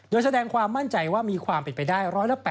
โดยแสดงความมั่นใจว่ามีความเป็นไปได้๑๘๐